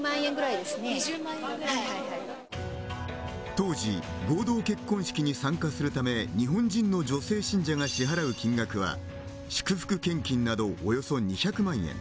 当時合同結婚式に参加するため日本人の女性信者が支払う金額は祝福献金などおよそ２００万円